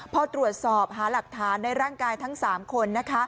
พอตรวจสอบหาหลักฐานในร่างกายทั้ง๓คน